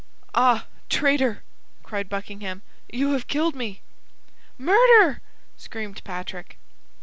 "Ah, traitor," cried Buckingham, "you have killed me!" "Murder!" screamed Patrick.